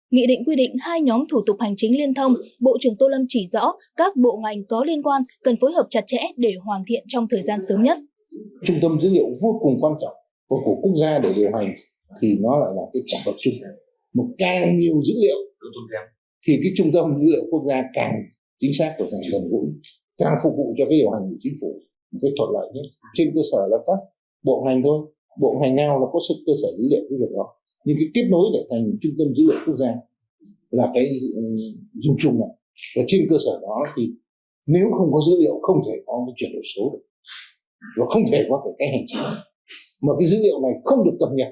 nghị định quy định hai nhóm thủ tục hành chính liên thông bộ trưởng tô lâm chỉ rõ các bộ ngành có liên quan cần phối hợp chặt chẽ để hoàn thiện trong thời gian sớm nhất